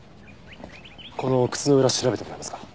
この靴の裏調べてもらえますか？